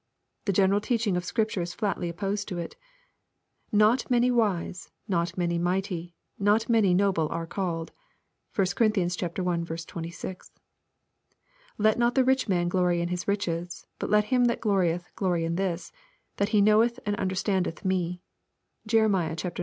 The general teaching of Scripture is flatly opposed to it. '*Not many wise, not many mighty, not many noble are called." (1 Cor. i. 26.) '^Let not the rich man glory in his riches. But let him that glorieth glory in this, that he knoweth and understandeth me," (Jer.